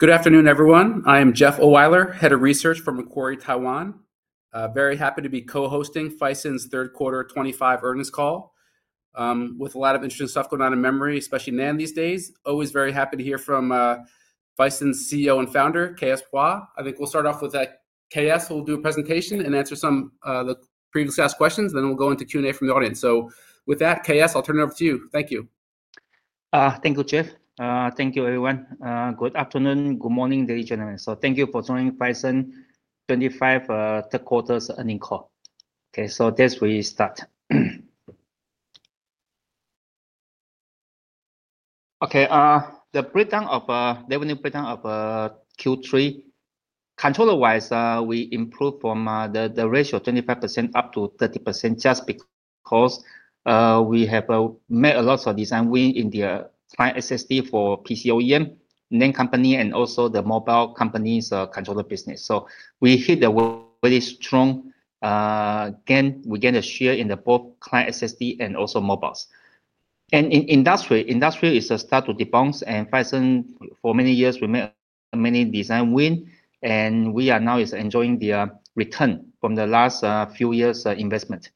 Good afternoon, everyone. I am Jeff O. Weiler, Head of Research for Macquarie, Taiwan. Very happy to be co-hosting Phison's third quarter 2025 earnings call, with a lot of interesting stuff going on in memory, especially NAND these days. Always very happy to hear from Phison's CEO and founder, K.S. Pua. I think we'll start off with K.S., who will do a presentation and answer some of the previously asked questions, then we'll go into Q&A from the audience. With that, K.S., I'll turn it over to you. Thank you. Thank you, Jeff. Thank you, everyone. Good afternoon, good morning, ladies and gentlemen. Thank you for joining Phison 2025 third quarter's earnings call. Okay, we start. Okay, the revenue breakdown of Q3. Controller-wise, we improved from the ratio of 25% up to 30% just because we have made a lot of design win in the client SSD for PC OEM, NAND company, and also the mobile company's controller business. We hit a very strong gain. We gained a share in both client SSD and also mobiles. In industry, industry is a start to debounce, and Phison for many years we made many design wins, and we are now enjoying the return from the last few years' investment.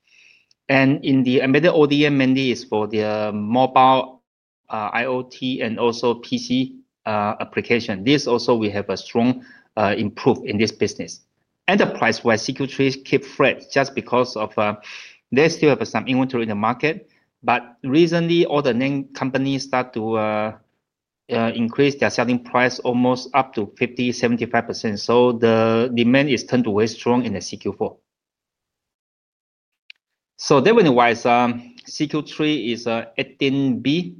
In the embedded ODM mainly is for the mobile, IoT, and also PC application. This also we have a strong improve in this business. Enterprise-wise, CQ3 keeps fresh just because of, they still have some inventory in the market, but recently all the NAND companies start to, increase their selling price almost up to 50%, 75%. The demand is turned to very strong in the CQ4. Revenue-wise, CQ3 is, NT 18 billion,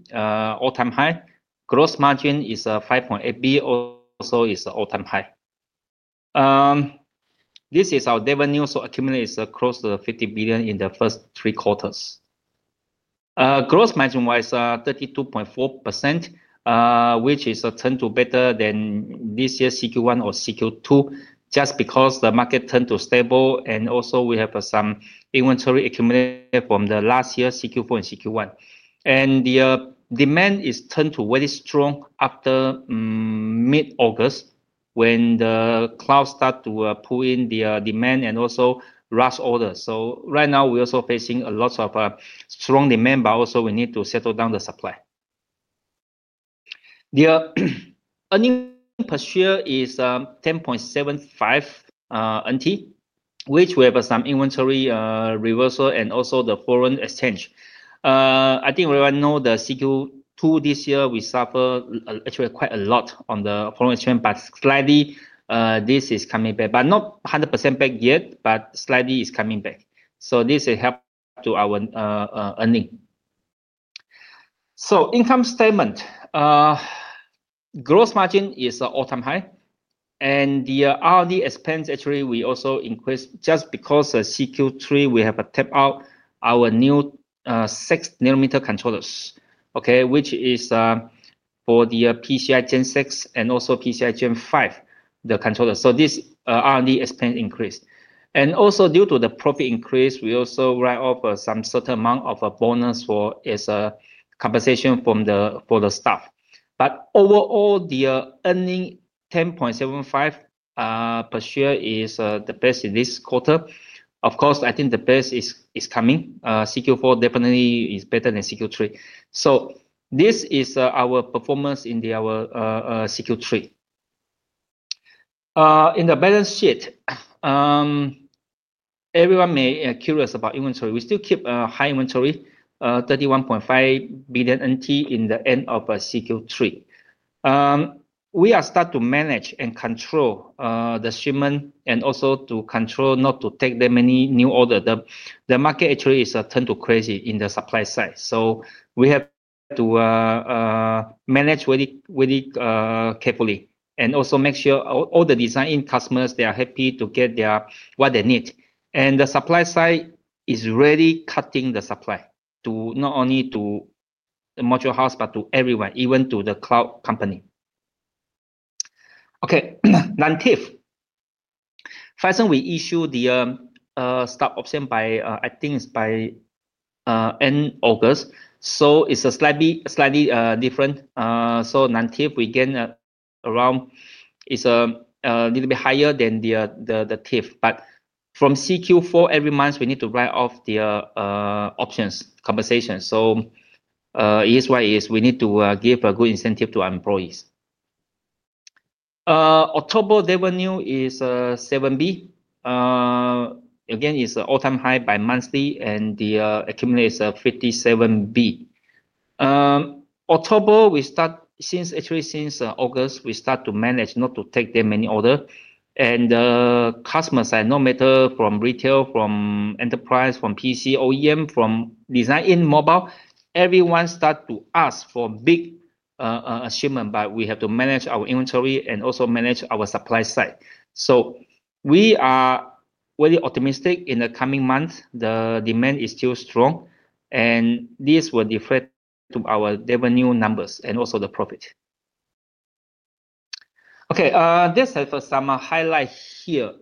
all-time high. Gross margin is, NT 5.8 billion, also is all-time high. This is our revenue, so accumulates across the NT 50 billion in the first three quarters. Gross margin-wise, 32.4%, which is a turn to better than this year's CQ1 or CQ2 just because the market turned to stable, and also we have some inventory accumulated from the last year, CQ4 and CQ1. The demand is turned to very strong after, mid-August when the cloud start to, pull in the, demand and also rush orders. Right now we're also facing a lot of strong demand, but also we need to settle down the supply. The earnings per share is NT 10.75, which we have some inventory reversal and also the foreign exchange. I think we all know the CQ2 this year we suffer actually quite a lot on the foreign exchange, but slightly, this is coming back, but not 100% back yet, but slightly is coming back. This helps to our earnings. Income statement, gross margin is all-time high, and the R&D expense actually we also increased just because CQ3 we have a tap out our new 6 nm controllers, which is for the PCIe Gen 6 and also PCIe Gen 5 controllers. This R&D expense increased. Also, due to the profit increase, we also write off some certain amount of a bonus as a compensation for the staff. Overall, the earning 10.75 per share is the best in this quarter. Of course, I think the best is coming. CQ4 definitely is better than CQ3. This is our performance in our CQ3. In the balance sheet, everyone may be curious about inventory. We still keep a high inventory, NT 31.5 billion in the end of CQ3. We are starting to manage and control the shipment and also to control not to take that many new orders. The market actually has turned to crazy in the supply side. We have to manage really, really carefully and also make sure all the design-in customers are happy to get what they need. The supply side is really cutting the supply to not only the module house, but to everyone, even to the cloud company. NAND TIF. Phison, we issued the stock option by, I think it's by end August. It's a slightly, slightly different. NAND TIF, we gain around, it's a little bit higher than the TIF, but from CQ4 every month we need to write off the options compensation. Here's why we need to give a good incentive to our employees. October revenue is NT 7 billion. Again, it's an all-time high by monthly and accumulates NT 57 billion. October we start since actually since August we start to manage not to take that many orders and the customers are no matter from retail, from enterprise, from PC OEM, from design-in mobile, everyone start to ask for big shipment, but we have to manage our inventory and also manage our supply side. We are very optimistic in the coming months. The demand is still strong and this will deflect to our revenue numbers and also the profit. Okay, this is some highlight here.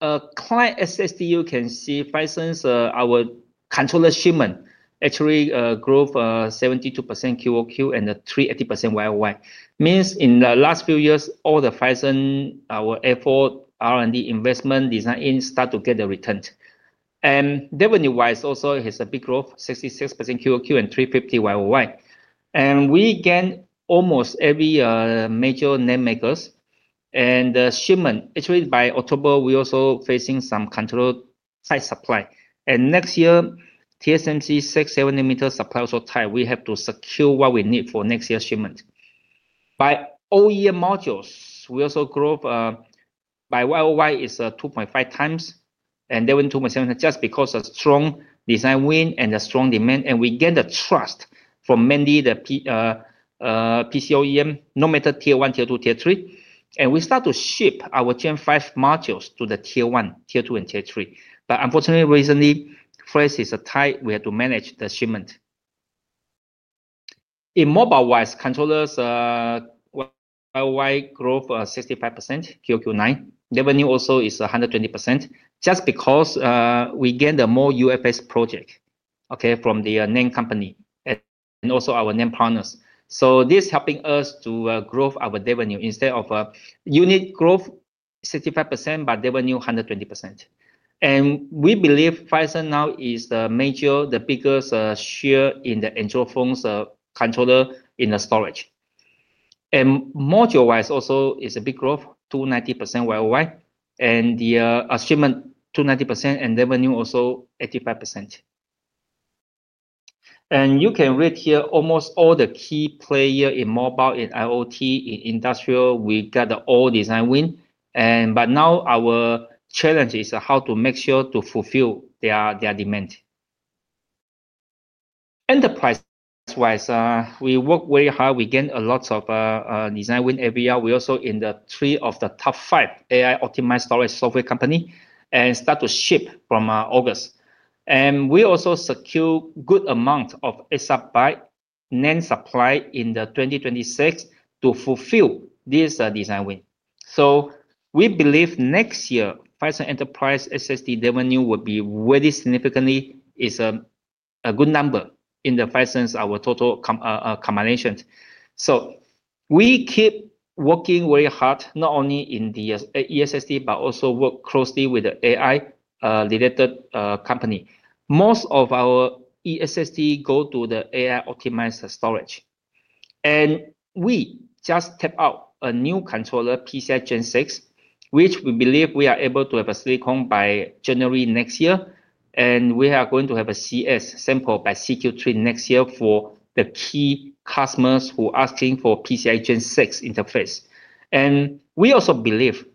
Client SSD you can see Phison's, our controller shipment actually, growth, 72% QoQ and the 380% YoY. Means in the last few years all the Phison, our effort, R&D investment, design-in start to get the return. And revenue-wise also has a big growth, 66% QoQ and 350% YoY. We gain almost every major NAND maker and the shipment actually by October we also facing some controller side supply. Next year TSMC 6 nm supply also tight. We have to secure what we need for next year's shipment. By all year modules we also growth, by year-over-year is 2.5x and then 2. just because of strong design win and the strong demand and we gain the trust from mainly the PC OEM no matter Tier 1, Tier 2, Tier 3. We start to ship our Gen 5 modules to the Tier 1, Tier 2, and Tier 3. Unfortunately recently price is tight. We have to manage the shipment. In mobile-wise controllers, year-over-year growth 65%, quarter-over-quarter 9. Revenue also is 120% just because we gain the more UFS project from the NAND company and also our NAND partners. This is helping us to grow our revenue instead of unit growth 65%, but revenue 120%. We believe Phison now is the major, the biggest, share in the phone's controller in the storage. Module-wise also is a big growth, 290% YOY and the shipment 290% and revenue also 85%. You can read here almost all the key player in mobile, in IoT, in industrial we got all design win. Now our challenge is how to make sure to fulfill their demand. Enterprise-wise, we work very hard. We gain a lot of design win every year. We also in the three of the top five AI optimized storage software company and start to ship from August. We also secure good amount of SR by NAND supply in the 2026 to fulfill this design win. We believe next year Phison Enterprise SSD revenue will be very significantly a good number in Phison's total combination. We keep working very hard not only in the ESSD but also work closely with the AI-related company. Most of our ESSD go to the AI optimized storage. We just tap out a new controller, PCIe Gen 6, which we believe we are able to have silicon by January next year. We are going to have a CS sample by CQ3 next year for the key customers who are asking for PCIe Gen 6 interface. We also believe,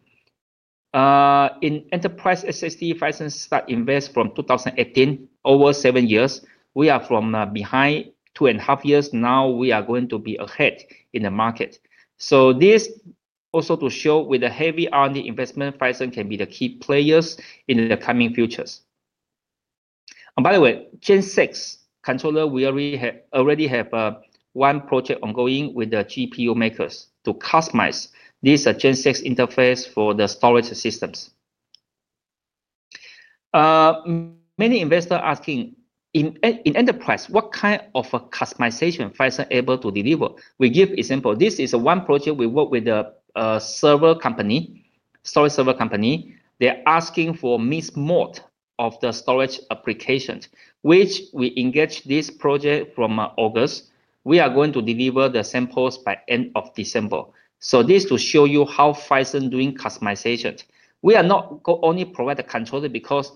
in enterprise SSD, Phison started to invest from 2018, over seven years. We are from behind two and a half years now. We are going to be ahead in the market. This also to show with the heavy R&D investment, Phison can be the key players in the coming futures. By the way, Gen 6 controller we already have, already have one project ongoing with the GPU makers to customize this Gen 6 interface for the storage systems. Many investor asking in enterprise what kind of a customization Phison able to deliver. We give example. This is one project we work with the server company, storage server company. They're asking for mixed mode of the storage applications, which we engage this project from August. We are going to deliver the samples by end of December. This to show you how Phison doing customization. We are not only provide the controller because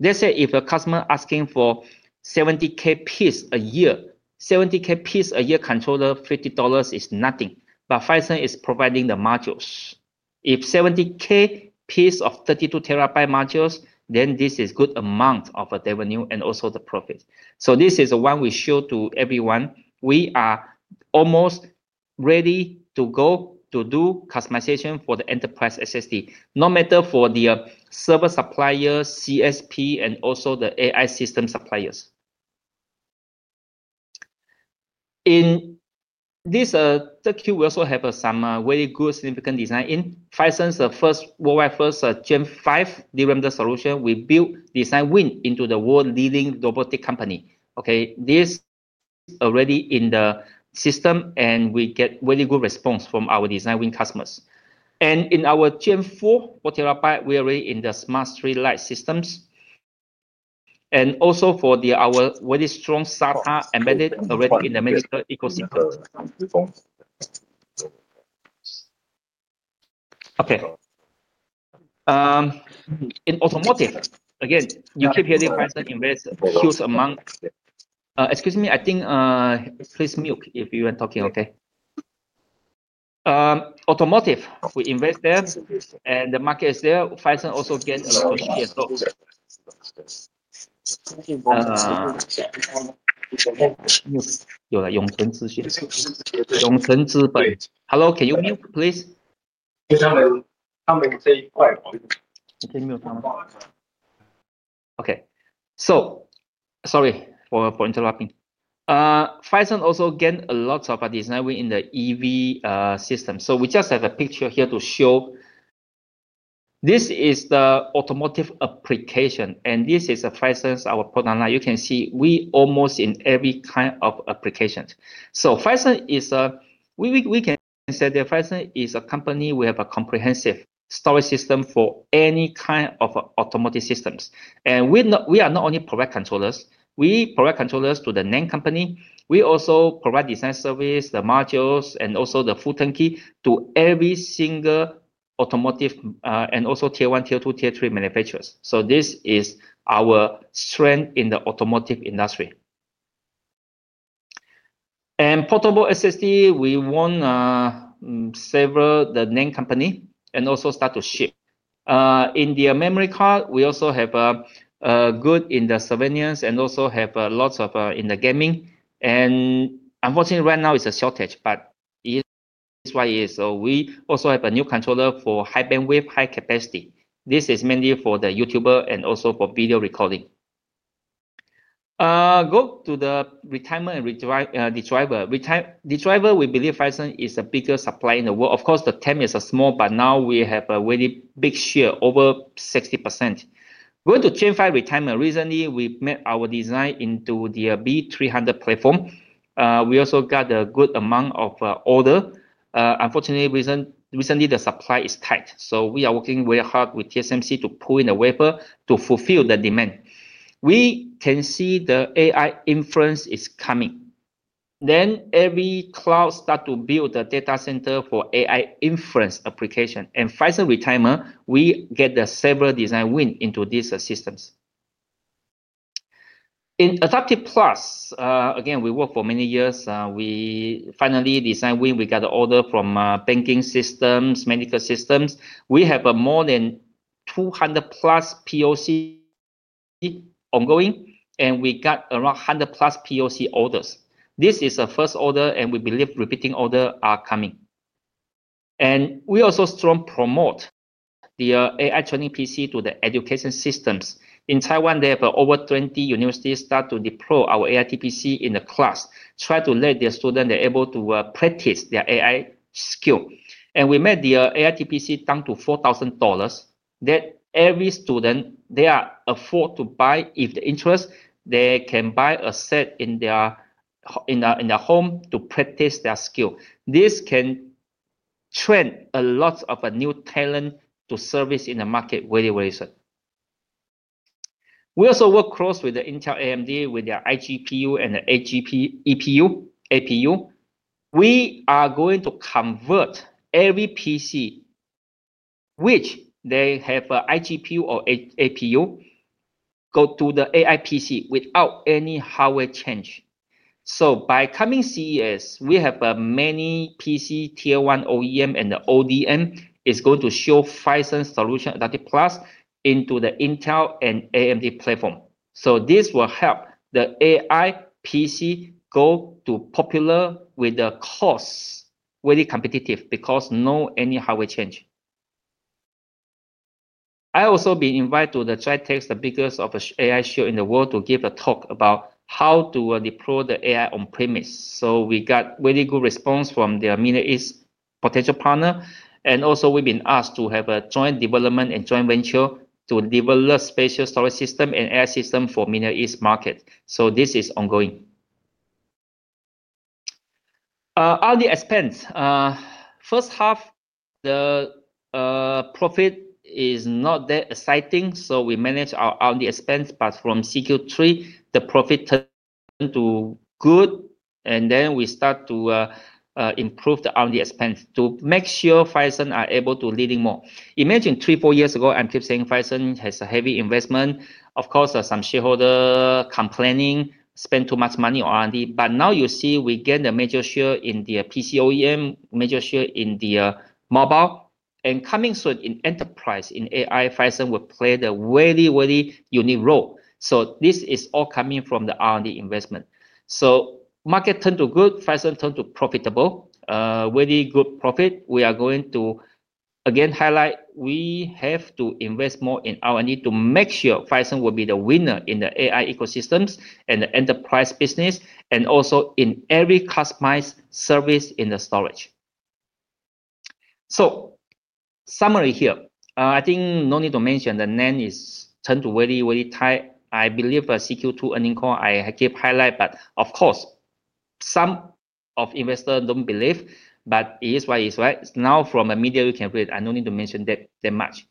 let's say if a customer asking for 70,000 piece a year, 70,000 piece a year controller, $50 is nothing. Phison is providing the modules. If 70,000 pieces of 32 TB modules, then this is a good amount of revenue and also the profit. This is the one we show to everyone. We are almost ready to go to do customization for the enterprise SSD, no matter for the server supplier, CSP, and also the AI system suppliers. In this quarter we also have some very good significant design in Phison's first worldwide first Gen 5 derender solution. We build design win into the world leading robotic company. This is already in the system and we get very good response from our design win customers. In our Gen 4 4 TB, we are already in the smart street light systems. Also, our very strong SATA embedded already in the medical ecosystem. In automotive, again, you keep hearing invest huge amount. Excuse me, I think, please mute if you are talking, okay? Automotive, we invest there and the market is there. Phison also gain a lot of share. Okay, sorry for interrupting. Phison also gain a lot of design win in the EV system. We just have a picture here to show. This is the automotive application and this is Phison's product line. You can see we are almost in every kind of application. Phison is a, we can say Phison is a company. We have a comprehensive storage system for any kind of automotive systems. We are not only providing controllers. We provide controllers to the NAND company. We also provide design service, the modules, and also the full turnkey to every single automotive, and also Tier 1, Tier 2, Tier 3 manufacturers. This is our strength in the automotive industry. Portable SSD, we want several of the NAND company and also start to ship. In the memory card, we also have a good in the surveillance and also have lots of in the gaming. Unfortunately, right now it's a shortage, but it's why is. We also have a new controller for high bandwidth, high capacity. This is mainly for the YouTuber and also for video recording. Go to the retirement and redriver. Redriver we believe Phison is a bigger supply in the world. Of course, the TEM is small, but now we have a very big share, over 60%. Going to Gen 5 retirement. Recently we made our design into the B300 platform. We also got a good amount of order. Unfortunately, recently the supply is tight. We are working very hard with TSMC to pull in the wafer to fulfill the demand. We can see the AI inference is coming. Every cloud starts to build a data center for AI inference application. In Phison retirement, we get several design wins into these systems. In aiDAPTIV+, again, we worked for many years. We finally design win. We got the order from banking systems, medical systems. We have more than 200+ POC ongoing and we got around 100+ POC orders. This is a first order and we believe repeating orders are coming. We also strongly promote the AI training PC to the education systems. In Taiwan, they have over 20 universities start to deploy our AI TPC in the class, try to let their students be able to practice their AI skill. We made the AI TPC down to $4,000 that every student can afford to buy. If they are interested, they can buy a set in their home to practice their skill. This can train a lot of new talent to service in the market very, very soon. We also work close with Intel and AMD with their iGPU and the APU. We are going to convert every PC, which has an iGPU or APU, to the AI PC without any hardware change. By coming CES, we have many PC Tier 1 OEM and ODM going to show Phison solution aiDAPTIV+ into the Intel and AMD platform. This will help the AI PC become popular with the cost, very competitive because no hardware change is needed. I also been invited to the GITEX, the biggest AI show in the world, to give a talk about how to deploy the AI on premise. We got very good response from the Middle East potential partner. Also, we've been asked to have a joint development and joint venture to develop special storage system and AI system for Middle East market. This is ongoing. R&D expense. First half, the profit is not that exciting. We manage our R&D expense, but from CQ3 the profit turned to good. Then we start to improve the R&D expense to make sure Phison are able to leading more. Imagine three, four years ago, I keep saying Phison has a heavy investment. Of course, some shareholder complaining spent too much money on R&D. Now you see we get the major share in the PC OEM, major share in the mobile. Coming soon in enterprise, in AI, Phison will play the very, very unique role. This is all coming from the R&D investment. Market turned to good, Phison turned to profitable, very good profit. We are going to again highlight we have to invest more in R&D to make sure Phison will be the winner in the AI ecosystems and the enterprise business and also in every customized service in the storage. Summary here, I think no need to mention the NAND is turned to very, very tight. I believe a CQ2 earning call I keep highlight, but of course some of investor do not believe, but it is what it is right now from a media you can read. I do not need to mention that that much.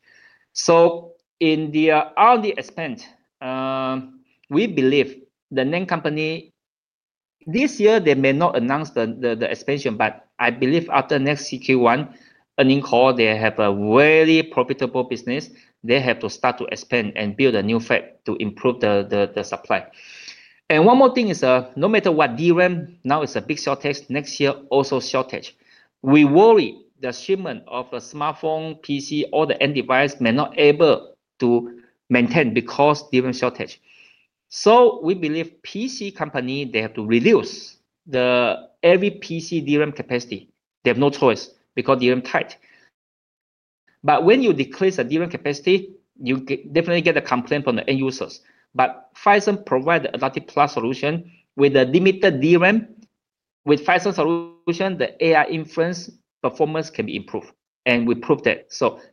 In the R&D expense, we believe the NAND company this year may not announce the expansion, but I believe after next CQ1 earning call they have a very profitable business. They have to start to expand and build a new fab to improve the supply. One more thing is, no matter what, DRAM now is a big shortage, next year also shortage. We worry the shipment of a smartphone, PC, all the end device may not able to maintain because DRAM shortage. We believe PC company, they have to reduce the every PC DRAM capacity. They have no choice because DRAM tight. When you decrease a DRAM capacity, you definitely get a complaint from the end users. Phison provide the aiDAPTIV+ solution with the limited DRAM. With Phison solution, the AI inference performance can be improved and we prove that.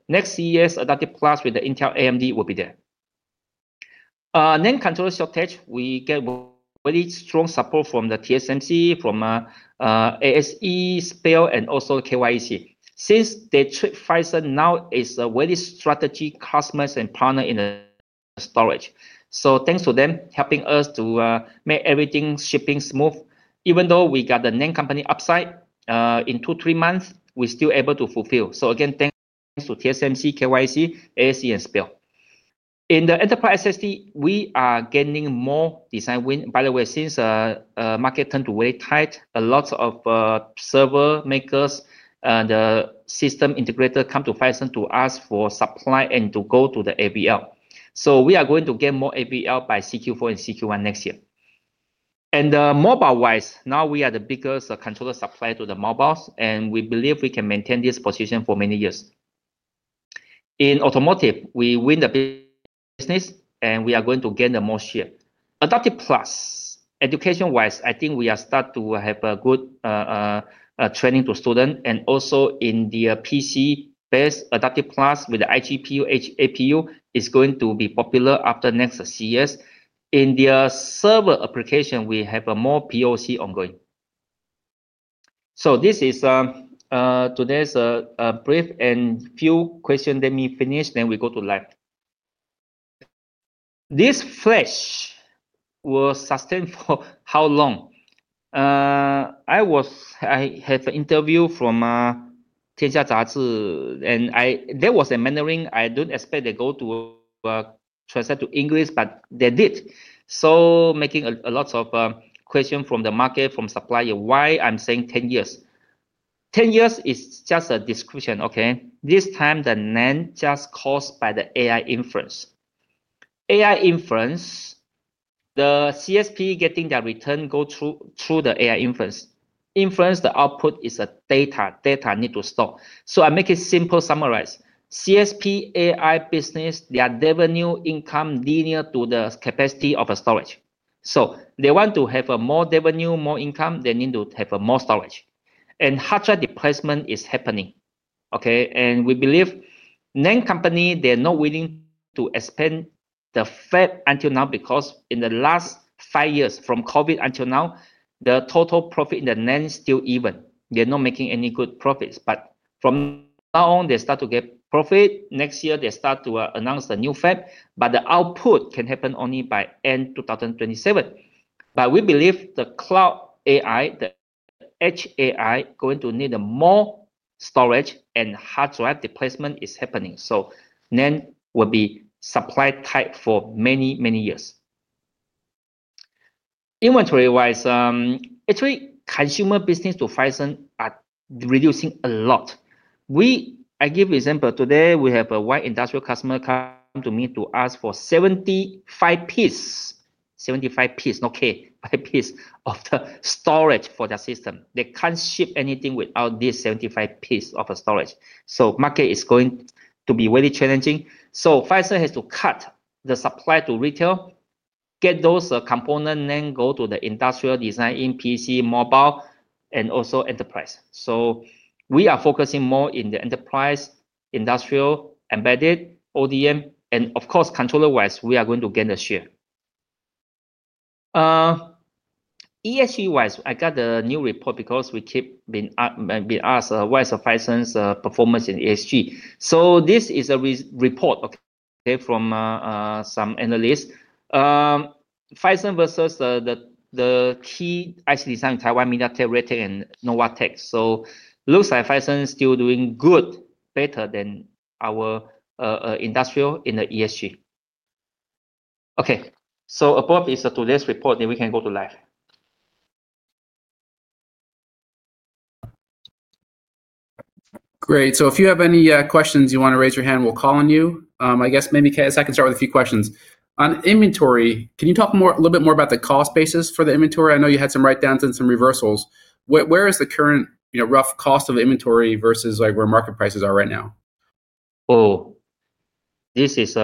Next year's aiDAPTIV+ with the Intel AMD will be there. NAND controller shortage. We get very strong support from TSMC, ASE, SPIL, and also KYEC since they treat Phison now as a very strategic customer and partner in the storage. Thanks to them helping us to make everything shipping smooth. Even though we got the NAND company upside, in two, three months, we still able to fulfill. Again, thanks to TSMC, KYEC, ASE, and SPIL. In the enterprise SSD, we are gaining more design win. By the way, since market turned to very tight, a lot of server makers and the system integrator come to Phison to ask for supply and to go to the ABL. We are going to get more ABL by CQ4 and CQ1 next year. Mobile wise, now we are the biggest controller supplier to the mobiles, and we believe we can maintain this position for many years. In automotive, we win the business, and we are going to gain the most share. aiDAPTIV+ education wise, I think we are start to have a good, training to students. Also in the PC base, aiDAPTIV+ with the iGPU, HAPU is going to be popular after next CES. In the server application, we have a more POC ongoing. This is today's brief and few questions. Let me finish, then we go to live. This flash will sustain for how long? I had an interview from [Tianxia Zhazi], and there was a mentoring. I do not expect they go to translate to English, but they did. Making a lot of, question from the market, from supplier, why I'm saying 10 years. Ten years is just a description, okay? This time the NAND just caused by the AI inference. AI inference, the CSP getting that return go through, through the AI inference. Inference, the output is a data, data need to store. I make it simple summarize. CSP, AI business, their revenue income linear to the capacity of a storage. They want to have more revenue, more income. They need to have more storage. Hardware deplacement is happening, okay? We believe NAND company, they're not willing to expand the fab until now because in the last five years from COVID until now, the total profit in the NAND still even. They're not making any good profits, but from now on they start to get profit. Next year they start to announce the new fab, but the output can happen only by end 2027. We believe the cloud AI, the edge AI going to need more storage and hard drive deplacement is happening. NAND will be supply tight for many, many years. Inventory wise, actually consumer business to Phison are reducing a lot. I give example today, we have a white industrial customer come to me to ask for 75 pieces, 75 piece, okay, piece of the storage for the system. They can't ship anything without this 75 piece of a storage. Market is going to be very challenging. Phison has to cut the supply to retail, get those components, then go to the industrial design in PC, mobile, and also enterprise. We are focusing more in the enterprise, industrial, embedded, ODM, and of course controller wise, we are going to gain a share. ESG wise, I got the new report because we keep being asked, what is Phison's performance in ESG? This is a report from some analysts. Phison versus the key IC design Taiwan, MediaTek, Realtek, and Novatek. Looks like Phison still doing good, better than our industrial in the ESG. Above is today's report. We can go to live. Great. If you have any questions, you want to raise your hand, we'll call on you. I guess maybe I can start with a few questions on inventory. Can you talk a little bit more about the cost basis for the inventory? I know you had some write downs and some reversals. Where is the current, you know, rough cost of the inventory versus like where market prices are right now? Oh, this is,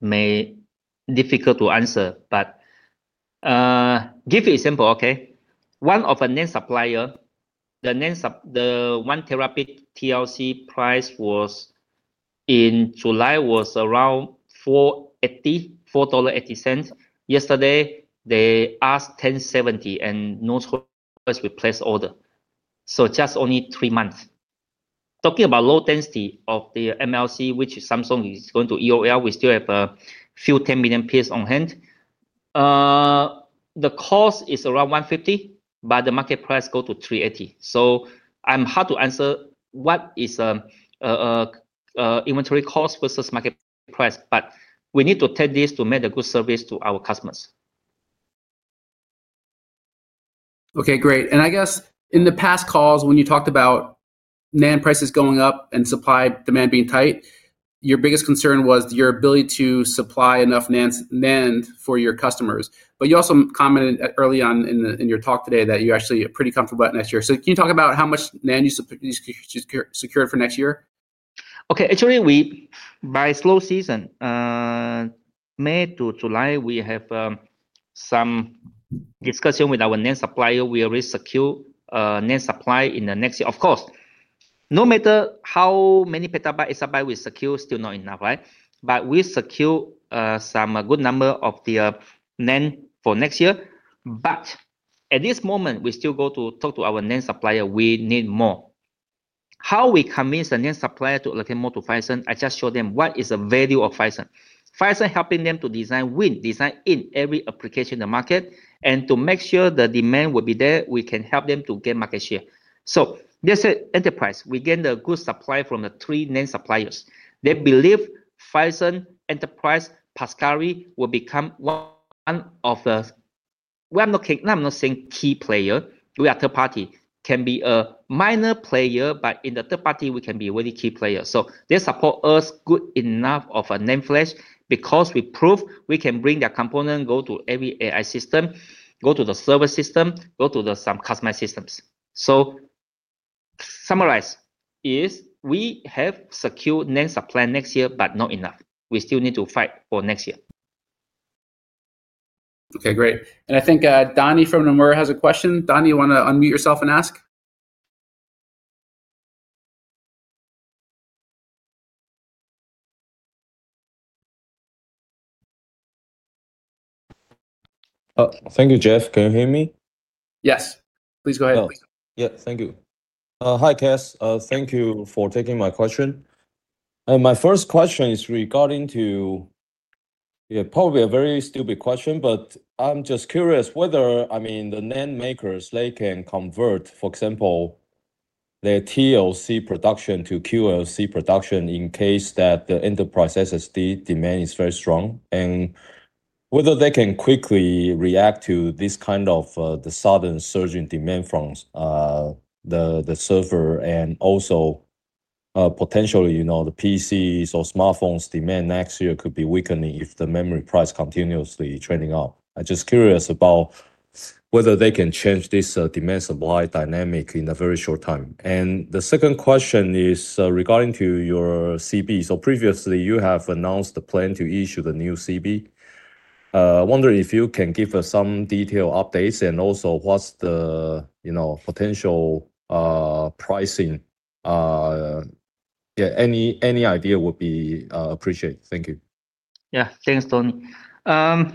may difficult to answer, but, give you an example, okay? One of a NAND supplier, the NAND, the one Tb TLC price was in July was around $4.80. Yesterday they asked $10.70 and no choice replace order. Just only three months. Talking about low density of the MLC, which Samsung is going to EOL, we still have a few 10 million pieces on hand. The cost is around $150, but the market price go to $380. I'm hard to answer what is, inventory cost versus market price, but we need to take this to make a good service to our customers. Okay, great. I guess in the past calls when you talked about NAND prices going up and supply demand being tight, your biggest concern was your ability to supply enough NAND for your customers. You also commented early on in your talk today that you actually are pretty comfortable about next year. Can you talk about how much NAND you secured for next year? Okay. Actually, we, by slow season, May to July, we have some discussion with our NAND supplier. We already secure NAND supply in the next year. Of course, no matter how many petabyte, exabyte we secure, still not enough, right? We secure some good number of the NAND for next year. At this moment, we still go to talk to our NAND supplier. We need more. How we convince the NAND supplier to allocate more to Phison, I just showed them what is the value of Phison. Phison helping them to design win, design in every application in the market and to make sure the demand will be there. We can help them to gain market share. This enterprise, we gain the good supply from the three NAND suppliers. They believe Phison Enterprise PASCARI will become one of the, I'm not saying key player. We are third party. Can be a minor player, but in the third party, we can be a very key player. They support us good enough of a NAND flash because we prove we can bring that component, go to every AI system, go to the server system, go to some customized systems. Summarize is we have secured NAND supply next year, but not enough. We still need to fight for next year. Okay, great. I think Donnie from Nomura has a question. Donnie, you want to unmute yourself and ask? Thank you, Jeff. Can you hear me? Yes, please go ahead. Please. Yeah, thank you. Hi K.S. Thank you for taking my question. My first question is regarding, yeah, probably a very stupid question, but I'm just curious whether, I mean, the NAND makers, they can convert, for example, their TLC production to QLC production in case that the enterprise SSD demand is very strong and whether they can quickly react to this kind of sudden surging demand from the server and also, potentially, you know, the PCs or smartphones demand next year could be weakening if the memory price continuously trending up. I'm just curious about whether they can change this demand supply dynamic in a very short time. The second question is regarding your CB. Previously you have announced the plan to issue the new CB. I wonder if you can give us some detailed updates and also what's the, you know, potential pricing. Yeah, any idea would be appreciated. Thank you. Yeah, thanks, Donnie. I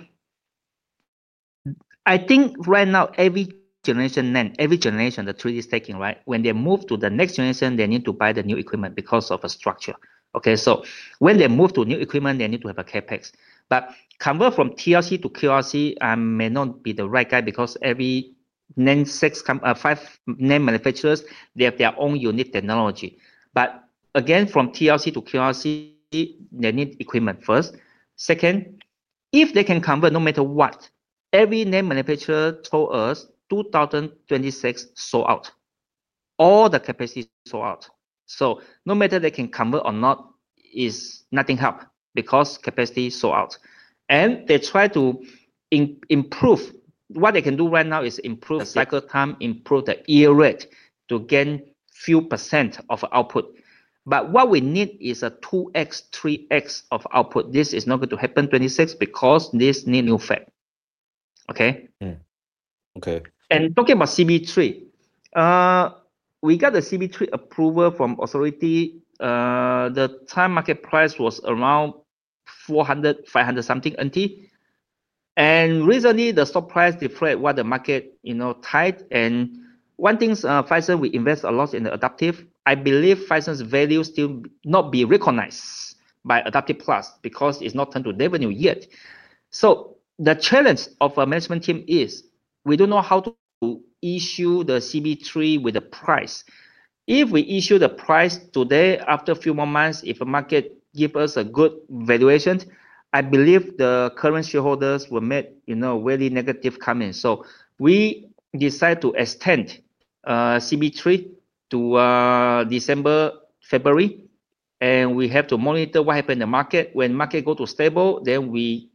think right now every generation NAND, every generation the 3D stacking, right? When they move to the next generation, they need to buy the new equipment because of a structure. Okay. When they move to new equipment, they need to have a CapEx. Convert from TLC to QLC, I may not be the right guy because every NAND, six, five NAND manufacturers, they have their own unique technology. Again, from TLC to QLC, they need equipment first. Second, if they can convert no matter what, every NAND manufacturer told us 2026 sold out. All the capacity sold out. No matter they can convert or not, it is nothing help because capacity sold out. They try to improve. What they can do right now is improve the cycle time, improve the EO rate to gain a few percent of output. What we need is a 2x,3x of output. This is not going to happen 2026 because this need new fab. Okay? Yeah. Okay. Talking about CB3, we got the CB3 approval from authority. The time market price was around NT 400, NT 500 something. Recently the stock price deflate while the market, you know, tight. One thing is, Phison, we invest a lot in the adaptive. I believe Phison's value still not be recognized by aiDAPTIV+ because it is not turned to revenue yet. The challenge of a management team is we do not know how to issue the CB3 with the price. If we issue the price today, after a few more months, if the market gives us a good valuation, I believe the current shareholders will make, you know, really negative comments. We decide to extend CB3 to December, February. We have to monitor what happens in the market. When market goes to stable, then we,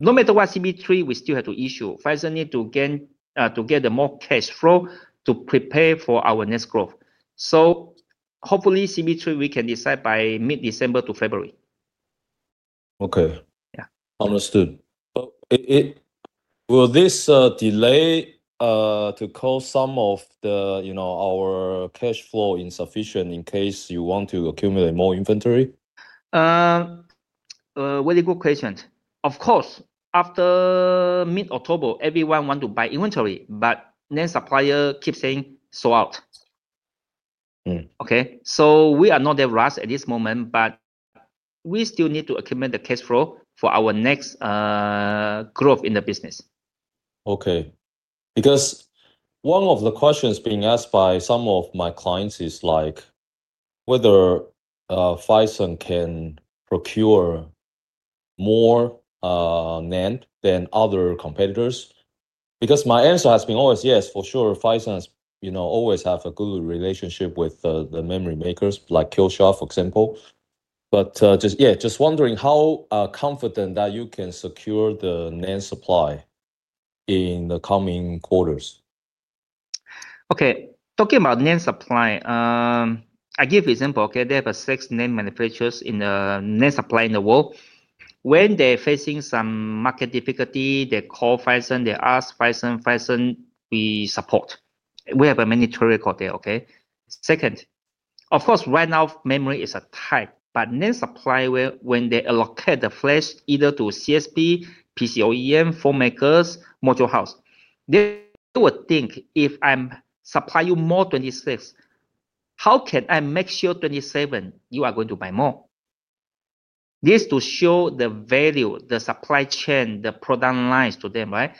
no matter what CB3, we still have to issue. Phison needs to gain, to get more cash flow to prepare for our next growth. Hopefully CB3 we can decide by mid-December to February. Okay. Yeah. Understood. Will this delay cause some of the, you know, our cash flow insufficient in case you want to accumulate more inventory? Very good question. Of course, after mid-October, everyone wants to buy inventory, but NAND supplier keeps saying sold out. Okay. We are not that rushed at this moment, but we still need to accumulate the cash flow for our next growth in the business. Okay. Because one of the questions being asked by some of my clients is like whether Phison can procure more NAND than other competitors. My answer has been always yes, for sure. Phison has, you know, always had a good relationship with the memory makers like Kioxia, for example. Just, yeah, just wondering how confident that you can secure the NAND supply in the coming quarters. Okay. Talking about NAND supply, I give example, okay? There are six NAND manufacturers in the NAND supply in the world. When they are facing some market difficulty, they call Phison, they ask Phison, Phison we support. We have a mandatory record there, okay? Second, of course, right now memory is a tie, but NAND supply will, when they allocate the flash either to CSP, PC OEM, phone makers, module house, they will think if I am supply you more 2026, how can I make sure 2027 you are going to buy more? This to show the value, the supply chain, the product lines to them, right?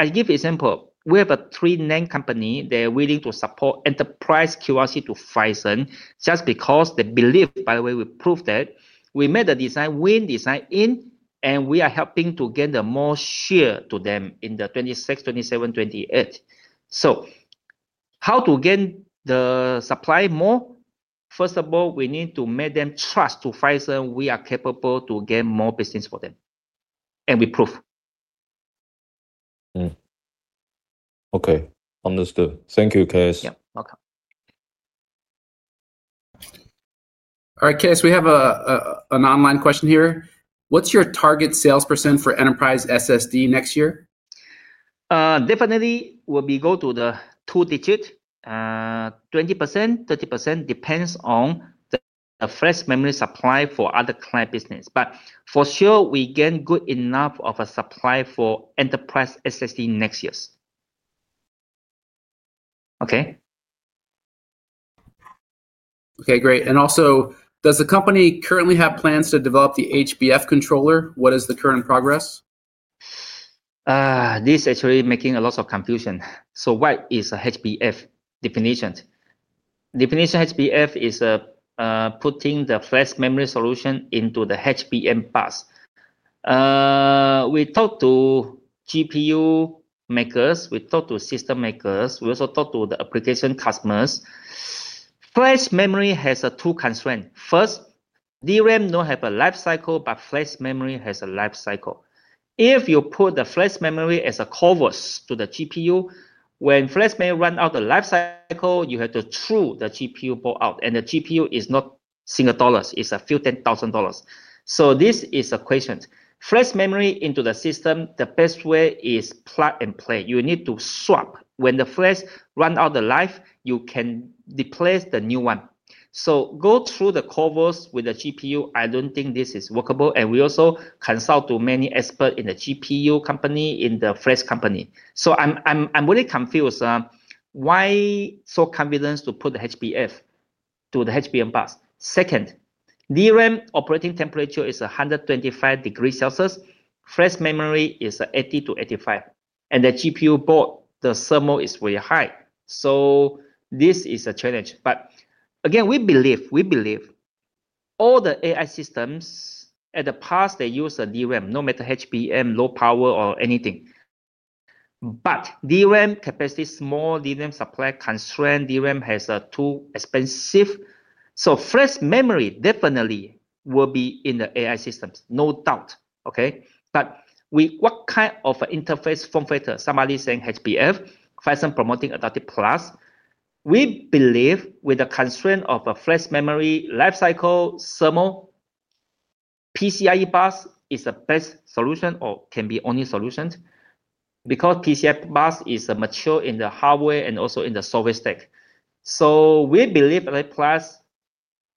I give example, we have three NAND company, they are willing to support enterprise QLC to Phison just because they believe, by the way, we prove that we made the design, win design in, and we are helping to gain more share to them in 2026, 2027, 2028. How to gain the supply more? First of all, we need to make them trust Phison we are capable to gain more business for them. And we prove. Okay. Understood. Thank you, Kes. Yeah. Welcome. All right, Kes, we have an online question here. What's your target sales percent for enterprise SSD next year? Definitely will be go to the two digit, 20%,30% depends on the flash memory supply for other client business. For sure we gain good enough of a supply for enterprise SSD next year's. Okay. Okay, great. Also, does the company currently have plans to develop the HBF controller? What is the current progress? This is actually making a lot of confusion. What is a HBF definition? Definition HBF is putting the flash memory solution into the HBM bus. We talk to GPU makers, we talk to system makers, we also talk to the application customers. Flash memory has two constraints. First, DRAM do not have a life cycle, but flash memory has a life cycle. If you put the flash memory as a corpus to the GPU, when flash memory runs out the life cycle, you have to throw the GPU board out. And the GPU is not single dollars, it's a few $10,000. This is a question. Flash memory into the system, the best way is plug and play. You need to swap. When the flash runs out the life, you can replace the new one. Go through the corpus with the GPU, I don't think this is workable. We also consult many experts in the GPU company and the flash company. I'm really confused, why so confident to put the HBF to the HBM bus. Second, DRAM operating temperature is 125°C. Flash memory is 80°C-85°C. The GPU board, the thermal is very high. This is a challenge. Again, we believe all the AI systems in the past, they use DRAM, no matter HBM, low power or anything. DRAM capacity, small DRAM supply constraint, DRAM is too expensive. Flash memory definitely will be in the AI systems, no doubt. What kind of an interface form factor, somebody saying HBF, Phison promoting aiDAPTIV+, we believe with the constraint of flash memory life cycle, thermal, PCIe bus is the best solution or can be only solution because PCIe bus is mature in the hardware and also in the service stack. We believe aiDAPTIV+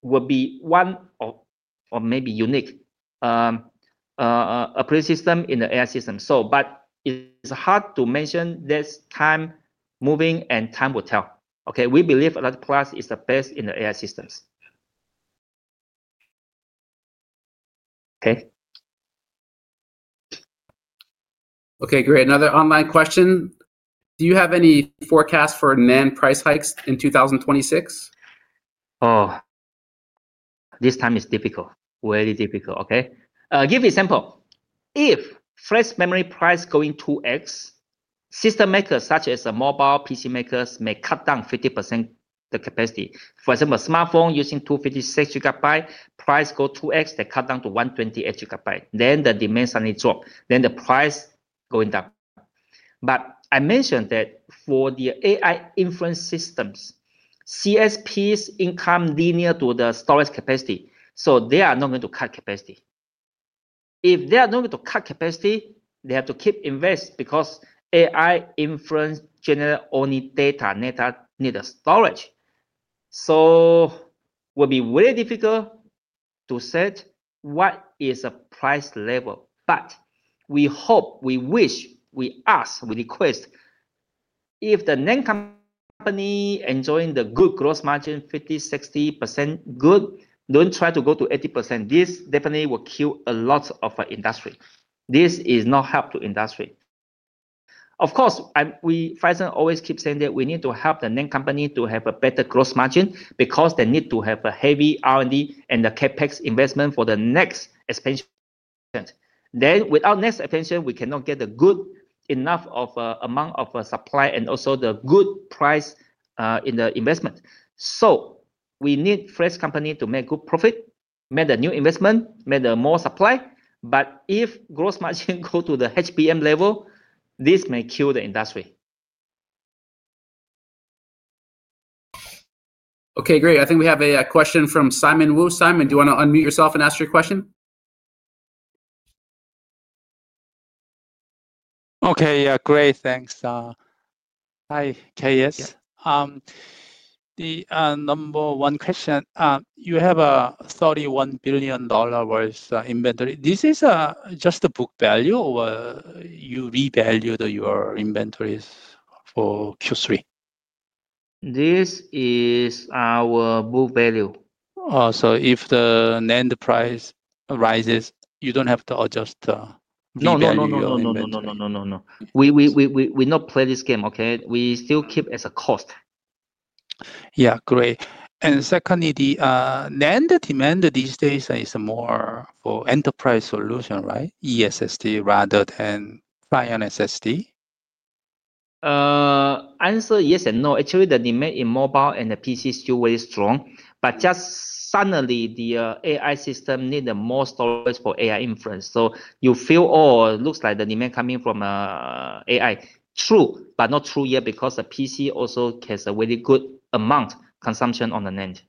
will be one or, or maybe unique, a print system in the AI system. It's hard to mention this time moving and time will tell. We believe aiDAPTIV+ is the best in the AI systems. Okay, great. Another online question. Do you have any forecast for NAND price hikes in 2026? Oh, this time is difficult, very difficult. Okay. Give you an example. If flash memory price going 2x, system makers such as mobile, PC makers may cut down 50% the capacity. For example, a smartphone using 256 Gb, price go 2x, they cut down to 128 Gb. The demand suddenly drop, the price going down. I mentioned that for the AI inference systems, CSPs income linear to the storage capacity. They are not going to cut capacity. If they are not going to cut capacity, they have to keep invest because AI inference generate only data, net need a storage. Will be really difficult to set what is a price level. We hope, we wish, we ask, we request if the NAND company enjoying the good gross margin, 50%,60% good, do not try to go to 80%. This definitely will kill a lot of industry. This is not help to industry. Of course, I am, we Phison always keep saying that we need to help the NAND company to have a better gross margin because they need to have a heavy R&D and the Capex investment for the next expansion. Without next expansion, we cannot get a good enough of an amount of supply and also the good price, in the investment. We need fresh company to make good profit, make the new investment, make the more supply. If gross margin go to the HBM level, this may kill the industry. Okay, great. I think we have a question from Simon Wu. Simon, do you want to unmute yourself and ask your question? Okay. Yeah. Great. Thanks. Hi, K.S. The number one question, you have a NT 31 billion worth inventory. This is just the book value or you revalued your inventories for Q3? This is our book value. Oh, so if the NAND price rises, you do not have to adjust the revaluation? No, no, no. We not play this game, okay? We still keep as a cost. Yeah, great. And secondly, the NAND demand these days is more for enterprise solution, right? ESSD rather than Client SSD? Answer yes and no. Actually, the demand in mobile and the PC is still very strong. Just suddenly the AI system need more storage for AI inference. You feel all looks like the demand coming from AI, true, but not true yet because the PC also has a really good amount consumption on the NAND.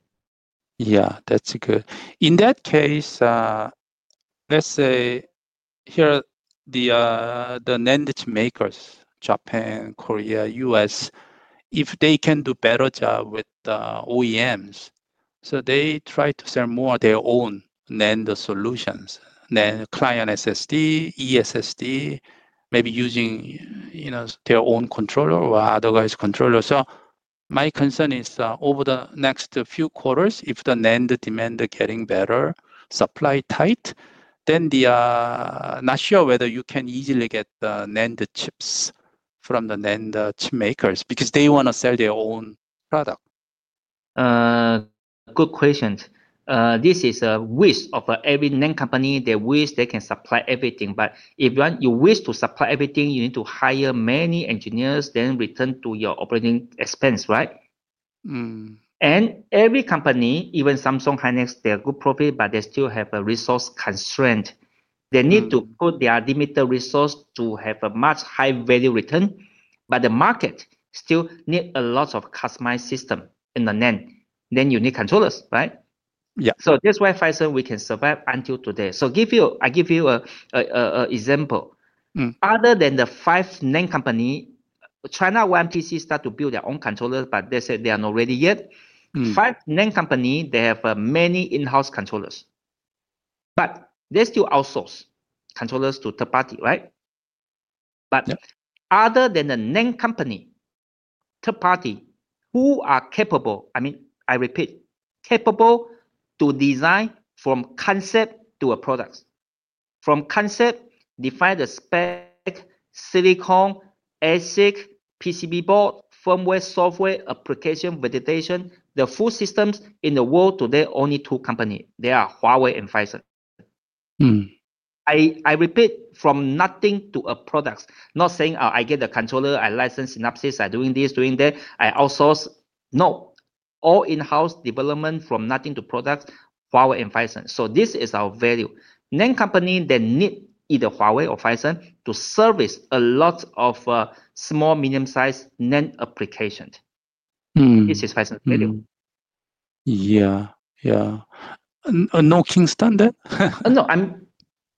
Yeah, that's good. In that case, let's say here, the NAND makers, Japan, Korea, U.S., if they can do better job with the OEMs, so they try to sell more their own NAND solutions than Client SSD, ESSD, maybe using, you know, their own controller or otherwise controller. My concern is over the next few quarters, if the NAND demand getting better, supply tight, then not sure whether you can easily get the NAND chips from the NAND chip makers because they want to sell their own product. Good question. This is a wish of every NAND company. They wish they can supply everything. If you want, you wish to supply everything, you need to hire many engineers, then return to your operating expense, right? Mm-hmm. Every company, even Samsung, Hynix, they're good profit, but they still have a resource constraint. They need to put their limited resource to have a much high value return. The market still needs a lot of customized system in the NAND. You need controllers, right? Yeah. That is why Phison can survive until today. I give you an example. Other than the five NAND companies, China YMTC started to build their own controllers, but they said they are not ready yet. Mm-hmm. The five NAND companies have many in-house controllers, but they still outsource controllers to third party, right? Other than the NAND company, third party who are capable, I mean, I repeat, capable to design from concept to a product, from concept define the spec, silicon, ASIC, PCB board, firmware, software, application, validation, the full systems in the world today, only two company. They are Huawei and Phison. Mm-hmm. I repeat, from nothing to a product, not saying, I get the controller, I license Synopsys, I'm doing this, doing that, I outsource. No, all in-house development from nothing to product, Huawei and Phison. This is our value. NAND company that need either Huawei or Phison to service a lot of small, medium size NAND applications. This is Phison's value. Yeah, yeah. A no Kingston then? No,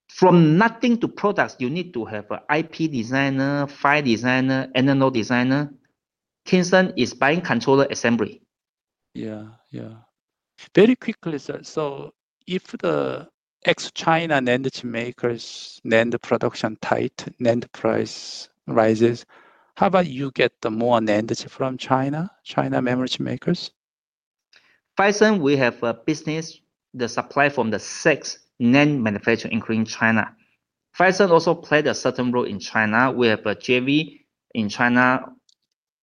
from nothing to products, you need to have an IP designer, file designer, NNO designer. Kingston is buying controller assembly. Yeah, yeah. Very quickly. If the ex-China NAND chip makers' NAND production tight, NAND price rises, how about you get the more NAND chip from China, China memory chip makers? Phison, we have a business, the supply from the six NAND manufacturer including China. Phison also played a certain role in China. We have a JV in China.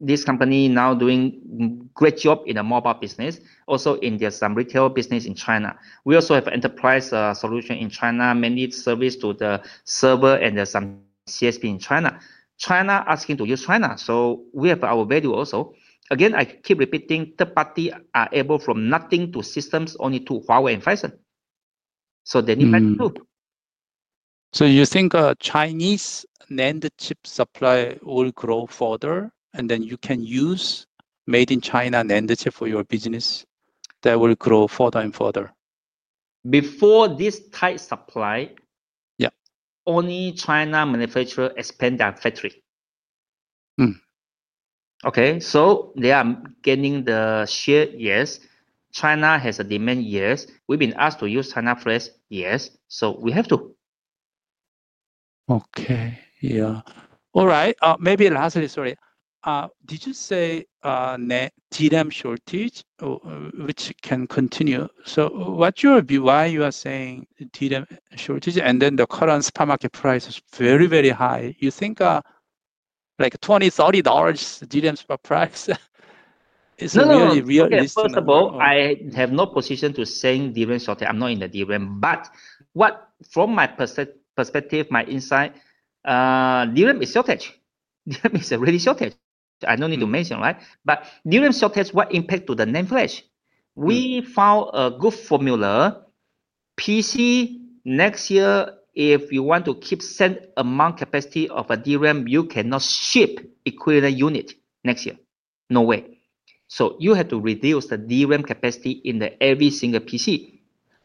This company now doing great job in the mobile business, also in their some retail business in China. We also have enterprise solution in China, mainly service to the server and the some CSP in China. China asking to use China. So we have our value also. Again, I keep repeating, third party are able from nothing to systems only to Huawei and Phison. So they need to. You think a Chinese NAND chip supply will grow further and then you can use made in China NAND chip for your business that will grow further and further? Before this tight supply, only China manufacturer expand their factory. They are getting the share. China has a demand. We have been asked to use China flash, so we have to. Maybe lastly, sorry, did you say DRAM shortage or which can continue? What is your view? You are saying DRAM shortage and then the current spot market price is very, very high. You think, like $20, $30 DRAM spot price is really realistic? No, no, it is possible. I have no position to say DRAM shortage. I am not in the DRAM. From my perspective, my insight, DRAM is shortage. DRAM is a really shortage. I don't need to mention, right? DRAM shortage, what impact to the NAND flash? We found a good formula. PC next year, if you want to keep same amount capacity of a DRAM, you cannot ship equivalent unit next year. No way. You have to reduce the DRAM capacity in every single PC.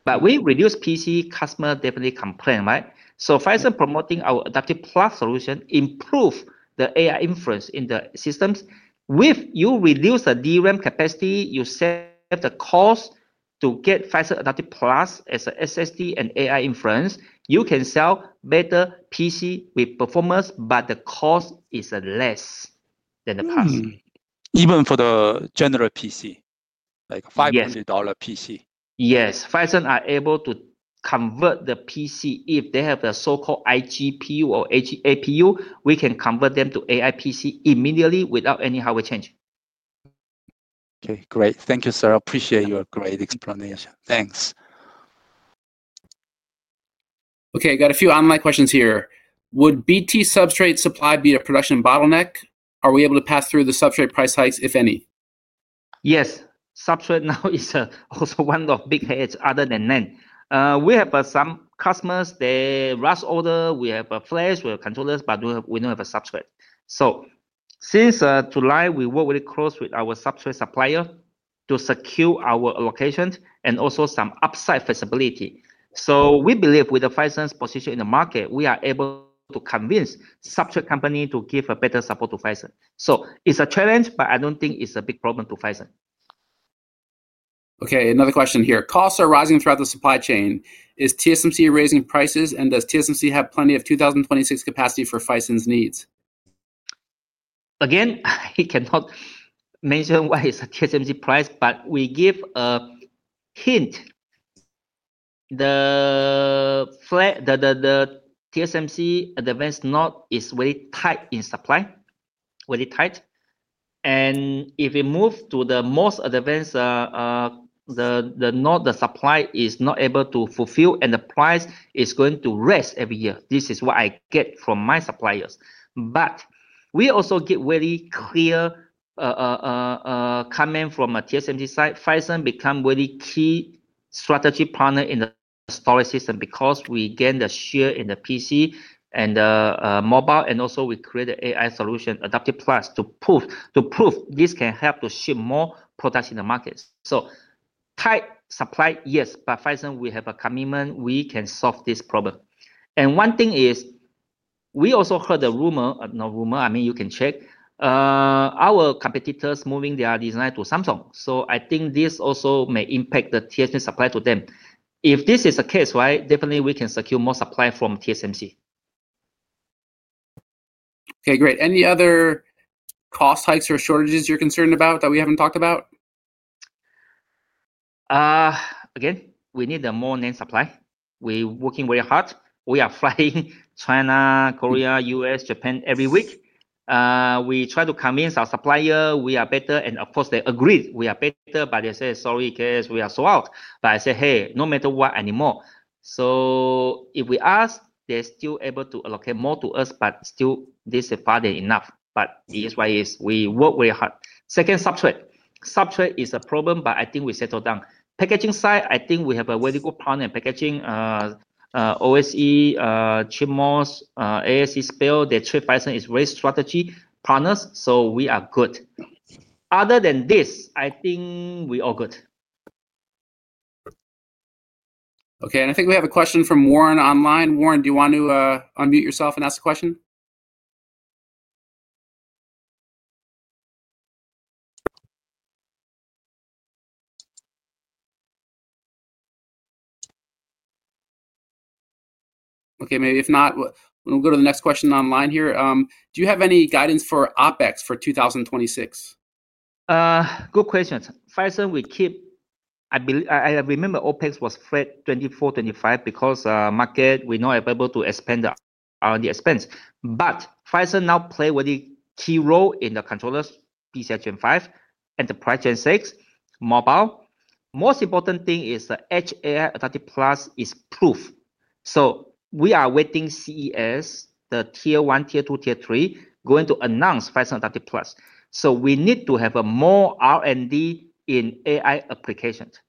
If you reduce, PC customer definitely complain, right? Phison promoting our aiDAPTIV+ solution improve the AI inference in the systems. If you reduce the DRAM capacity, you save the cost to get Phison aiDAPTIV+ as an SSD and AI inference, you can sell better PC with performance, but the cost is less than the past. Even for the general PC, like $500 PC. Yes. Phison are able to convert the PC if they have the so-called iGPU or AG APU, we can convert them to AI PC immediately without any hardware change. Okay, great. Thank you, sir. Appreciate your great explanation. Thanks. Okay. I got a few online questions here. Would BT substrate supply be a production bottleneck? Are we able to pass through the substrate price hikes, if any? Yes. Substrate now is also one of big heads other than NAND. We have some customers, they rush order. We have a flash, we have controllers, but we do not have a substrate. Since July, we work really close with our substrate supplier to secure our allocations and also some upside flexibility. We believe with Phison's position in the market, we are able to convince substrate company to give better support to Phison. It's a challenge, but I don't think it's a big problem to Phison. Another question here. Costs are rising throughout the supply chain. Is TSMC raising prices and does TSMC have plenty of 2026 capacity for Phison's needs? Again, he cannot mention what is a TSMC price, but we give a hint. The TSMC advanced node is very tight in supply, very tight. If we move to the most advanced node, the supply is not able to fulfill and the price is going to raise every year. This is what I get from my suppliers. We also get very clear comment from a TSMC side. Phison become very key strategy partner in the storage system because we gain the share in the PC and the, mobile and also we create the AI solution, aiDAPTIV+ to prove, to prove this can help to ship more products in the market. Tight supply, yes, but Phison we have a commitment we can solve this problem. One thing is we also heard the rumor, no rumor, I mean you can check, our competitors moving their design to Samsung. I think this also may impact the TSMC supply to them. If this is the case, right, definitely we can secure more supply from TSMC. Okay, great. Any other cost hikes or shortages you're concerned about that we haven't talked about? Again, we need a more NAND supply. We're working very hard. We are flying China, Korea, U.S., Japan every week. We try to convince our supplier we are better and of course they agreed we are better, but they say, "Sorry, K.S., we are sold out." I say, "Hey, no matter what anymore." If we ask, they are still able to allocate more to us, but still this is far than enough. It is what it is. We work very hard. Second, substrate is a problem, but I think we settle down. Packaging side, I think we have a very good partner in packaging, OSE, ChipMOS, ASE, SPIL. The trade Phison is race strategy partners. We are good. Other than this, I think we all good. Okay. I think we have a question from Warren online. Warren, do you want to unmute yourself and ask the question? Maybe if not, we will go to the next question online here. Do you have any guidance for OpEx for 2026? Good question. Phison, we keep, I believe, I remember OpEx was flat 2024, 2025 because market, we not able to expand on the expense. Phison now plays a very key role in the controllers, PCIe Gen 5, enterprise Gen 6, mobile. Most important thing is the edge AI aiDAPTIV+ is proof. We are waiting CES, the tier one, tier two, tier three going to announce Phison aiDAPTIV+. We need to have more R&D in AI applications.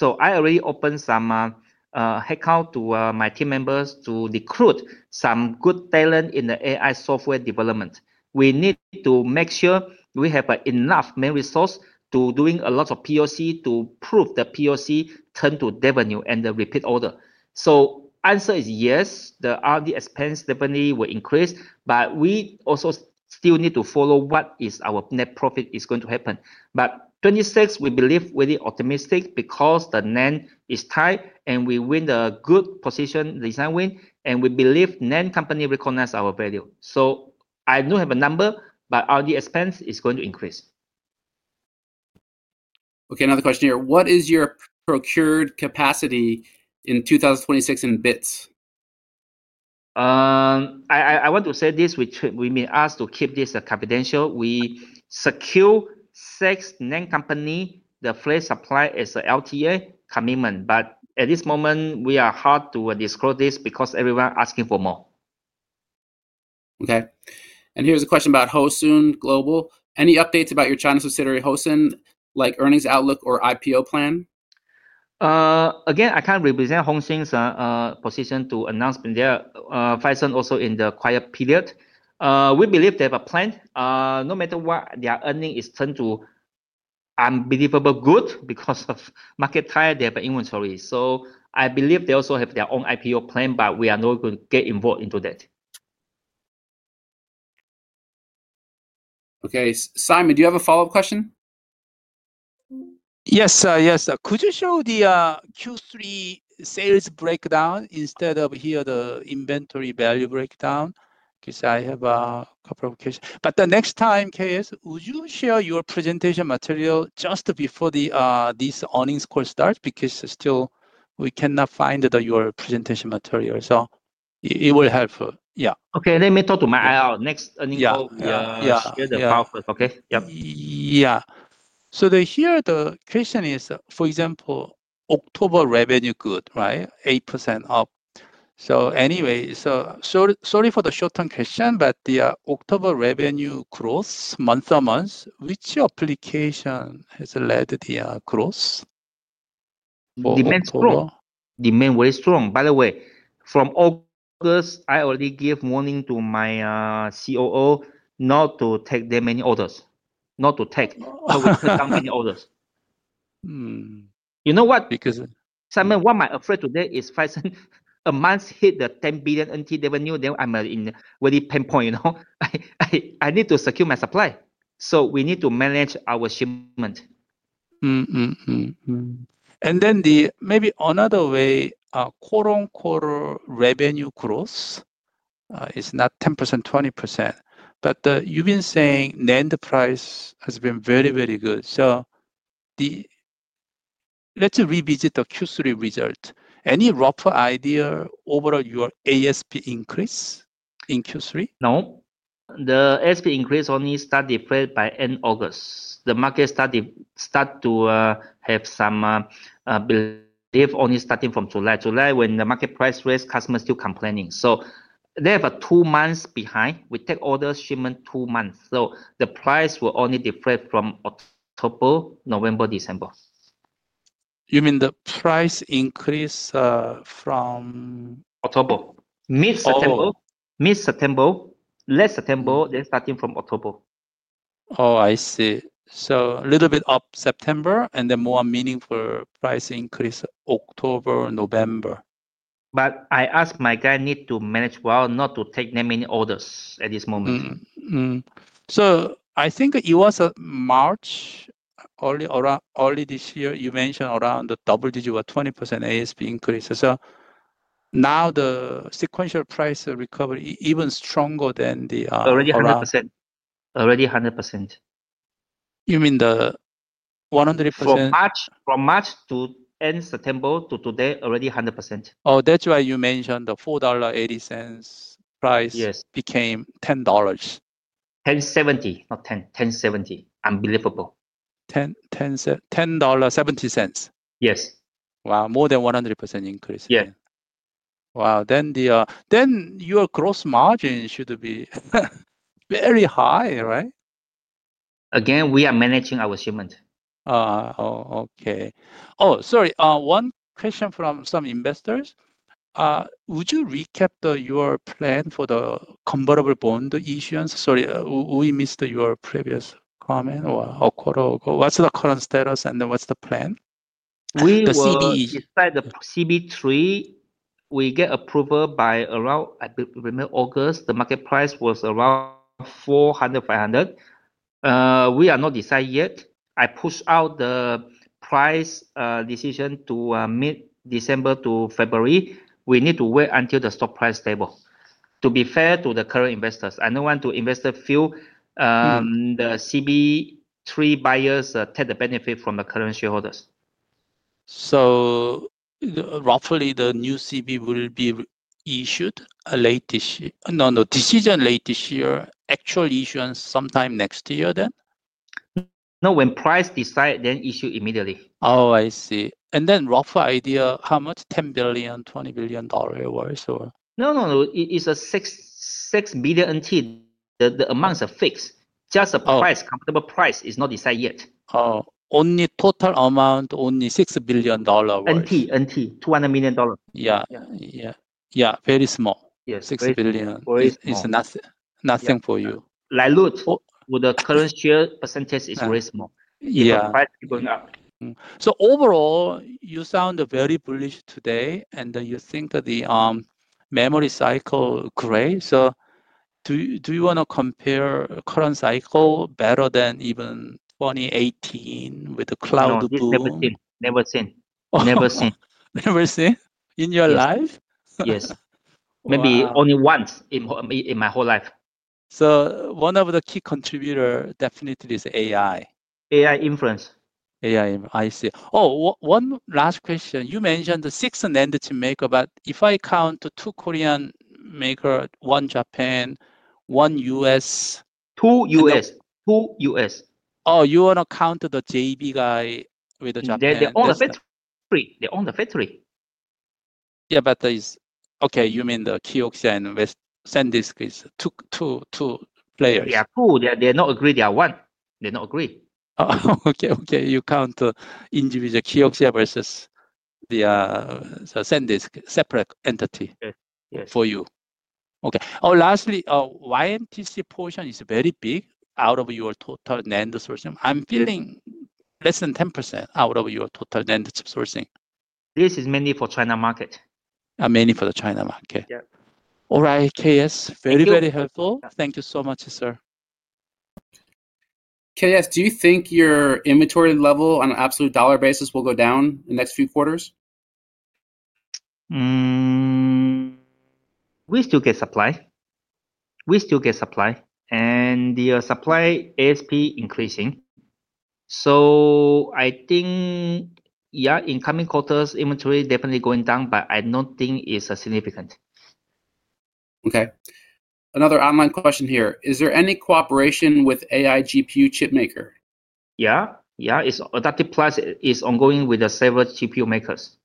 I already opened some, heck out to, my team members to recruit some good talent in the AI software development. We need to make sure we have enough main resource to doing a lot of POC to prove the POC turn to revenue and the repeat order. Answer is yes. The R&D expense definitely will increase, but we also still need to follow what our net profit is going to happen. Twenty twenty-six, we believe really optimistic because the NAND is tight and we win a good position design win and we believe NAND company recognize our value. I do not have a number, but R&D expense is going to increase. Okay. Another question here. What is your procured capacity in 2026 in bits? I want to say this, with me, ask to keep this confidential. We secure six NAND company, the flash supply is a LTA commitment, but at this moment we are hard to disclose this because everyone asking for more. Okay. Here is a question about Hosin Global. Any updates about your China subsidiary Hosin, like earnings outlook or IPO plan? Again, I can't represent Hosin's position to announce there. Phison also in the quiet period. We believe they have a plan. No matter what, their earning is turned to unbelievable good because of market tire, they have an inventory. So I believe they also have their own IPO plan, but we are not going to get involved into that. Okay. Simon, do you have a follow-up question? Yes, yes. Could you show the Q3 sales breakdown instead of here the inventory value breakdown? Because I have a couple of questions. The next time, K.S., would you share your presentation material just before this earnings call starts? Because still we cannot find your presentation material. It will help. Yeah. Okay. They may talk to my next earnings call. Yeah. Yeah. Yeah. Yeah. Here the question is, for example, October revenue good, right? 8% up. Sorry for the short-term question, but the October revenue growth month on month, which application has led the growth? The main strong. The main very strong. By the way, from August, I already gave warning to my COO not to take that many orders, not to take, so we took down many orders. You know what? Because Simon, what my afraid today is Phison a month hit the NT 10 billion revenue. Then I'm in really pinpoint, you know? I need to secure my supply. So we need to manage our shipment. Maybe another way, quote unquote revenue growth, is not 10%, 20%, but, you've been saying NAND price has been very, very good. Let's revisit the Q3 result. Any rough idea overall your ASP increase in Q3? No. The ASP increase only started by end August. The market started to have some belief only starting from July. July when the market price raised, customers still complaining. They have a two months behind. We take orders shipment two months. The price will only defer from October, November, December. You mean the price increase from October? Mid-September. Mid-September, late September, then starting from October. Oh, I see. A little bit up September and then more meaningful price increase October, November. I asked my guy need to manage well, not to take that many orders at this moment. I think it was March early, around early this year, you mentioned around the double digit was 20% ASP increase. Now the sequential price recovery even stronger than the, already 100%. Already 100%. You mean the 100%? From March, from March to end September to today, already 100%. Oh, that's why you mentioned the $4.80 price became $10. $10.70, not $10. $10.70. Unbelievable. $10.70. Yes. Wow. More than 100% increase. Yeah. Wow. Then your gross margin should be very high, right? Again, we are managing our shipment. Oh, okay. Oh, sorry. One question from some investors. Would you recap your plan for the convertible bond issuance? Sorry, we missed your previous comment or quarter on quarter. What's the current status and then what's the plan? We decide the CB3, we get approval by around, I remember August, the market price was around 400-500. We are not decided yet. I push out the price decision to mid-December to February. We need to wait until the stock price stable. To be fair to the current investors, I don't want to investor feel the CB3 buyers take the benefit from the current shareholders. Roughly the new CB will be issued late this year. No, no, decision late this year. Actual issuance sometime next year then? No, when price decide, then issue immediately. Oh, I see. Rough idea how much? $10 billion, $20 billion or? No, no, no. It is NT 6 billion. The amounts are fixed. Just the price, comparable price is not decided yet. Oh, only total amount, only NT 6 billion. $200 million. Yeah. Yeah. Yeah. Yeah. Very small. Yeah. NT 6 billion. It is nothing. Nothing for you. Like LUT with the current share percentage is very small. Yeah. Price is going up. Overall, you sound very bullish today and you think the memory cycle gray. Do you want to compare current cycle better than even 2018 with the cloud boom? Never seen. Never seen. Never seen. Never seen in your life? Yes. Maybe only once in my whole life. One of the key contributor definitely is AI. AI influence. AI influence. I see. Oh, one last question. You mentioned the six NAND maker, but if I count two Korean maker, one Japan, one U.S. Two U.S. Two U.S. Oh, you want to count the JB guy with the Japanese? They own the factory. They own the factory. Yeah, but there is, okay, you mean the Kioxia and West Sandisk is two, two, two players. Yeah, two. They are not agreed. They are one. They are not agreed. Oh, okay. Okay. You count individual Kioxia versus the Sandisk separate entity for you. Okay. Oh, lastly, YMTC portion is very big out of your total NAND sourcing. I am feeling less than 10% out of your total NAND sourcing. This is mainly for China market. mainly for the China market. Yeah. All right, K.S. Very, very helpful. Thank you so much, sir. K.S., do you think your inventory level on an absolute dollar basis will go down in the next few quarters? We still get supply. We still get supply. And the supply ASP increasing. I think, yeah, incoming quarters, inventory definitely going down, but I do not think it is significant. Okay. Another online question here. Is there any cooperation with AI GPU chip maker? Yeah. Yeah. aiDAPTIV+ is ongoing with several GPU makers.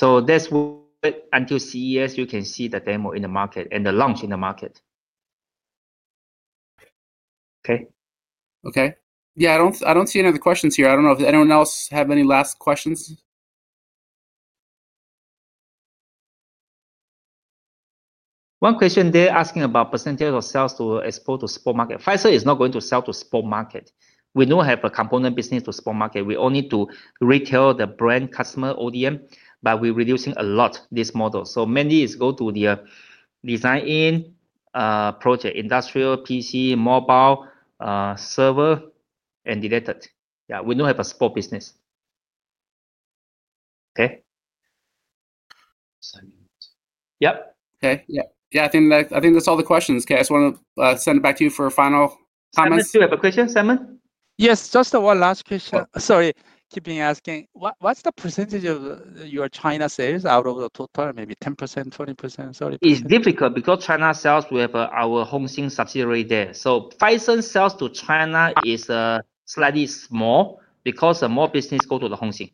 That is what until CES, you can see the demo in the market and the launch in the market. Okay. Okay. I do not, I do not see any other questions here. I do not know if anyone else has any last questions. One question. They are asking about percentage of sales to export to sport market. Phison is not going to sell to sport market. We do not have a component business to sport market. We only to retail the brand customer ODM, but we are reducing a lot this model. Mainly it is go to the design in, project, industrial, PC, mobile, server, and deleted. Yeah. We do not have a sport business. Okay. Yep. Okay. Yeah. Yeah. I think that is, I think that is all the questions. K.S., I want to send it back to you for final comments. Simon, do you have a question, Simon? Yes. Just one last question. Sorry. Keeping asking, what is the percentage of your China sales out of the total? Maybe 10%, 20%. Sorry. It is difficult because China sales to have our Hunsin subsidiary there. Phison sales to China is slightly small because more business go to the Hunsin.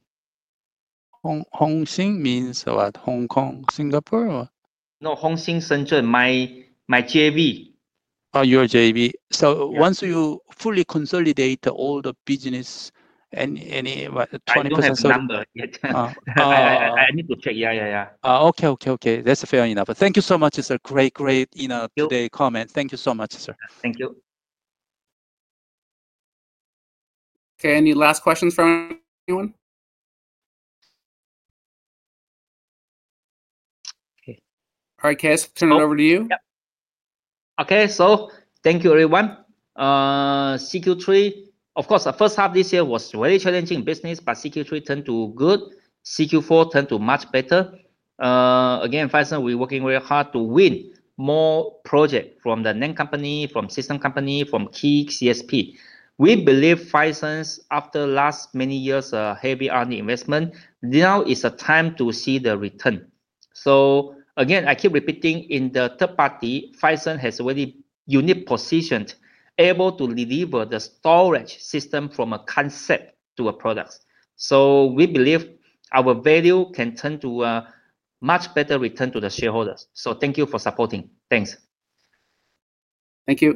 Hunsin means what? Hong Kong, Singapore or? No, Hunsin Shenzhen, my JV. Oh, your JV. So once you fully consolidate all the business and any, what, 20%. I need to check. Yeah. Yeah. Oh, okay. Okay. That's fair enough. Thank you so much. It's a great, great, you know, today comment. Thank you so much, sir. Thank you. Okay. Any last questions from anyone? Okay. All right, K.S., turn it over to you. Okay. Thank you everyone. CQ3, of course, the first half this year was really challenging business, but CQ3 turned to good. CQ4 turned to much better. Again, Phison, we're working very hard to win more projects from the NAND company, from system company, from KICSP. We believe Phison's after last many years, heavy earning investment, now is the time to see the return. Again, I keep repeating in the third party, Phison has already uniquely positioned, able to deliver the storage system from a concept to a product. We believe our value can turn to a much better return to the shareholders. Thank you for supporting. Thanks. Thank you.